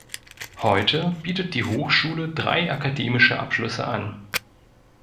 Heute bietet die Hochschule drei akademische Abschlüsse an.